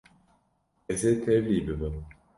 Ez ê tevlî bibim.